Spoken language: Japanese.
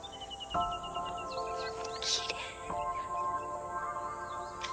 きれい。